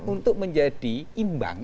untuk menjadi imbang